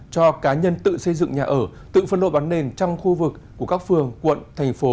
cho cá nhân tự xây dựng nhà ở tự phân lộ bán nền trong khu vực của các phường quận thành phố